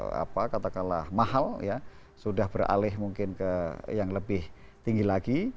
kalau katakanlah mahal ya sudah beralih mungkin ke yang lebih tinggi lagi